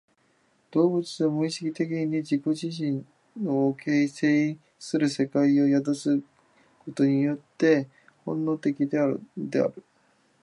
動物は無意識的に自己自身を形成する世界を宿すことによって本能的であるのである。